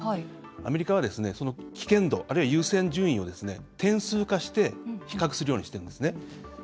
アメリカは危険度あるいは優先順位を点数化して比較するようにしているんです。